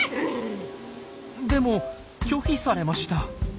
でも拒否されました。